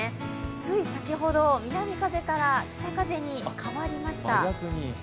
つい先ほど、南風から北風に変わりました。